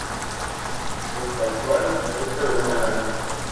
Don Pasquale acepta de buena gana.